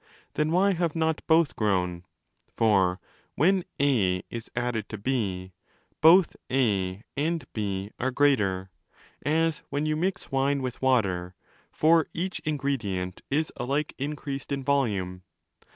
Then why have not both 'grown'? For when A is added to B, both A and B are greater, as when you mix wine with water; for each ingredient is alike increased in volume.